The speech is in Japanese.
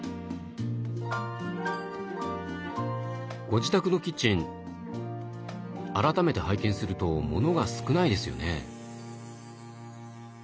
ご自宅のキッチン改めて拝見すると物が少ないですよね？